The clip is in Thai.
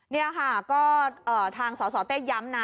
นี่ค่ะก็ทางสสเต้ย้ำนะ